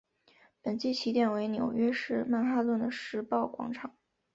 本季起点为纽约市曼哈顿的时报广场。